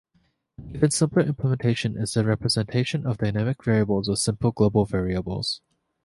An even simpler implementation is the representation of dynamic variables with simple global variables.